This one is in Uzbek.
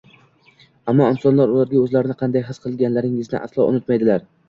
Ammo insonlar ularga oʻzlarini qanday his qildirganingizni aslo unutmaydilar.